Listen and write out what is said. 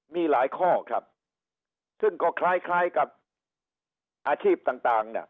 มีหลายข้อครับซึ่งก็คล้ายคล้ายกับอาชีพต่างน่ะ